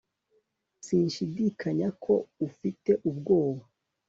sinshidikanya ko ufite ubwoba